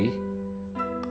kalau masih berbunyi dari papi